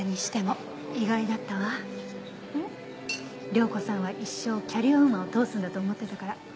涼子さんは一生キャリアウーマンを通すんだと思ってたから。